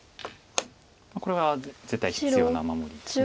これは絶対必要な守りです。